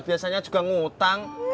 biasanya juga ngutang